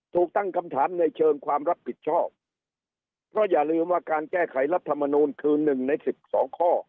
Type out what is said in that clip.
ถูกตั้งคำถามในเชิงความรับผิดชอบเพราะอย่าลืมว่าการแก้ไขรัฐมนูลคือหนึ่งในสิบสองข้อ